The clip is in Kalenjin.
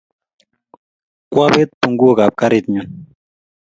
Kwapet punguok ap karit nyu